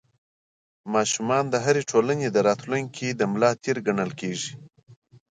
ماشومان د هرې ټولنې د راتلونکي ملا تېر ګڼل کېږي.